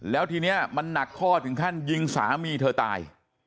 แล้วทีนี้มันหนักข้อถึงขั้นยิงสามีเธอตาย